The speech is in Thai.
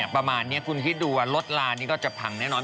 ประมาณนี้คุณคิดดูว่ารถลานี่ก็จะพังแน่นอน